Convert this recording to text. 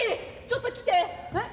ちょっと来て！